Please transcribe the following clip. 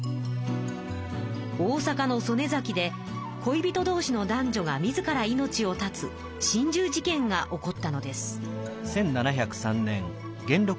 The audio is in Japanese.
大阪の曽根崎で恋人どうしの男女が自ら命を絶つ心中事件が起こったのです。